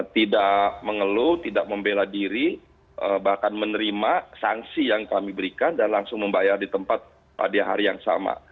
tidak mengeluh tidak membela diri bahkan menerima sanksi yang kami berikan dan langsung membayar di tempat pada hari yang sama